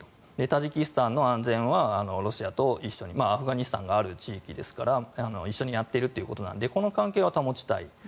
タジキスタンの安全はロシアと一緒にアフガニスタンがある地域ですから一緒にやっているということなのでこの関係は保ちたい。